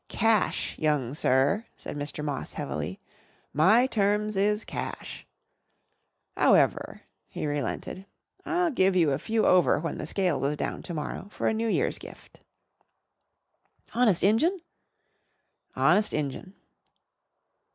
"Cash, young sir," said Mr. Moss heavily. "My terms is cash. 'Owever," he relented, "I'll give you a few over when the scales is down to morrow for a New Year's gift." "Honest Injun?" "Honest Injun."